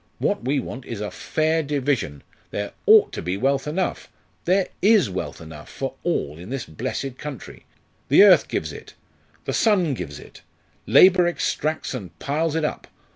What we want is a fair division. There ought to be wealth enough there is wealth enough for all in this blessed country. The earth gives it; the sun gives it: labour extracts and piles it up.